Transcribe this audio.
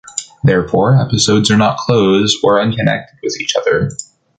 Therefore, episodes are not closed, or unconnected with each other.